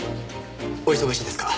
お忙しいですか？